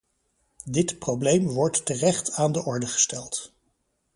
Dit probleem wordt terecht aan de orde gesteld.